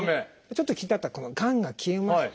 ちょっと気になったこの「がんが消えました」